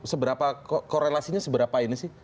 seberapa korelasinya seberapa ini sih